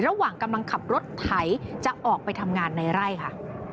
ระหว่างกำลังขับรถไถจะออกไปทำงานในไร่ค่ะ